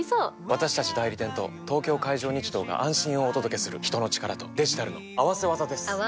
私たち代理店と東京海上日動が安心をお届けする人の力とデジタルの合わせ技です！